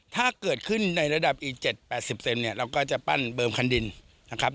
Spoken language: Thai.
ถ้าเกิดขึ้นในระดับอีเจ็ดแปดสิบเซ็มเนี้ยเราก็จะปั้นเบิ่มคันดินนะครับ